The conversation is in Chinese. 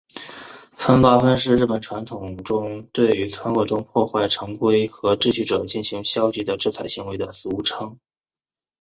村八分是日本传统中对于村落中破坏成规和秩序者进行消极的制裁行为的俗称。